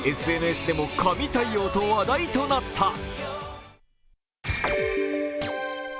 ＳＮＳでも、神対応と話題となった。